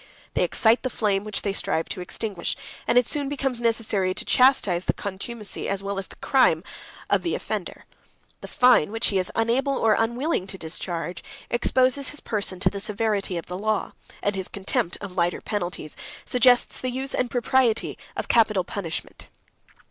They excite the flame which they strive to extinguish; and it soon becomes necessary to chastise the contumacy, as well as the crime, of the offender. The fine, which he is unable or unwilling to discharge, exposes his person to the severity of the law; and his contempt of lighter penalties suggests the use and propriety of capital punishment.